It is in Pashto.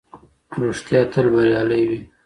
رښتيا تل بريالی وي.